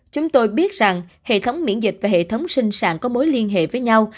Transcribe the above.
chúng tôi biết rằng hệ thống miễn dịch và hệ thống sinh sản có mối liên hệ với nhau